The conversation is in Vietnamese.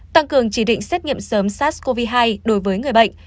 tăng cường chỉ định xét nghiệm sớm sars cov hai đối với người bệnh